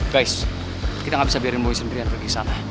guys kita gak bisa biarin boy sendirian pergi sana